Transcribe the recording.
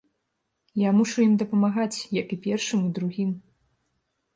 Я мушу ім дапамагаць, як і першым і другім.